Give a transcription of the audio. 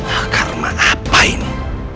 ah karma apa ini